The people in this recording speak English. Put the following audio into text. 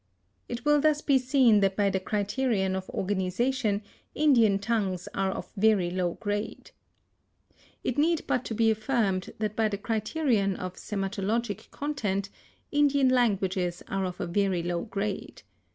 It will thus be seen that by the criterion of organization Indian tongues are of very low grade. It need but to be affirmed that by the criterion of sematologic content Indian languages are of a very low grade.